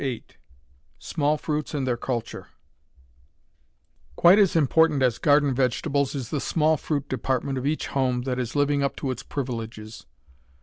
VIII SMALL FRUITS AND THEIR CULTURE Quite as important as garden vegetables is the small fruit department of each home that is living up to its privileges.